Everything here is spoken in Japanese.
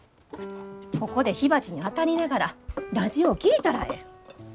ここで火鉢にあたりながらラジオ聴いたらええ。